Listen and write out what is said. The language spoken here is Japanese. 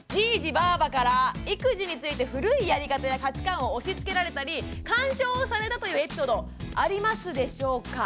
ばから育児について古いやり方や価値観を押しつけられたり干渉をされたというエピソードありますでしょうか？